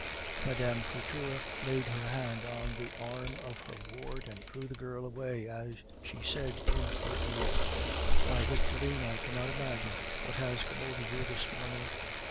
Mme. Couture laid her hand on the arm of her ward, and drew the girl away, as she said in her ear: "Why, Victorine, I cannot imagine what has come over you this morning."